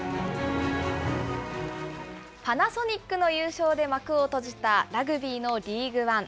パナソニックの優勝で幕を閉じたラグビーのリーグワン。